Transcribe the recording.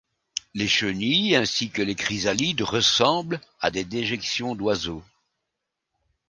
Les chenilles, ainsi que les chrysalides, ressemblent à des déjections d'oiseaux.